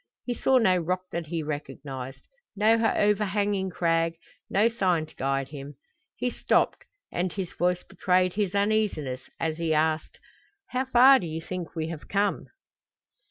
He saw no rock that he recognized, no overhanging crag, no sign to guide him. He stopped, and his voice betrayed his uneasiness as he asked: "How far do you think we have come?"